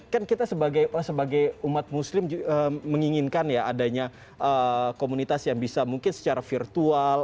kan kita sebagai umat muslim menginginkan ya adanya komunitas yang bisa mungkin secara virtual